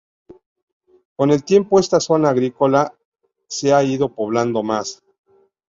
Con el tiempo esta zona agrícola se ha ido poblando más.